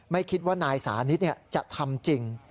ไม่คิดว่านายสานิทจะทำจริง